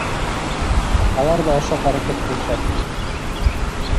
Алар да ошого аракет кылышат.